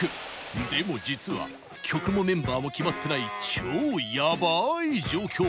でも、実は曲もメンバーも決まってない超やばい状況。